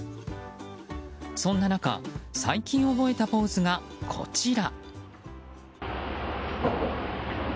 そんな中、最近覚えたポーズがこちら。